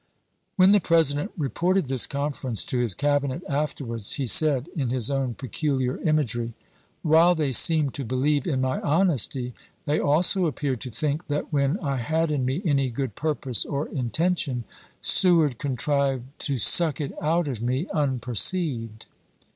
When the President reported this conference to his Cabinet afterwards he said, in his own peculiar imagery :" While they seemed to believe in my honesty, they also appeared to think that when I had in me any good purpose or inten tion Seward contrived to suck it out of me un perceived."